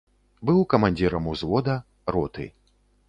Быў камандзірам узвода, роты.